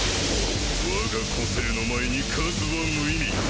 我が個性の前に数は無意味。